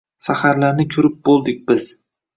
saharlarni koʼrib boʼldik biz.